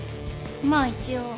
まあ一応。